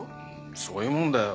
そういうもんだよ